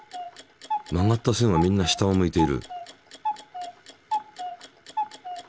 曲がった線はみんな下を向いている。